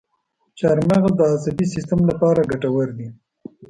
چارمغز د عصبي سیستم لپاره ګټور دی.